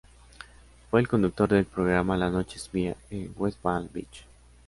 Fue el conductor del programa la Noche es mía en West Palm Beach.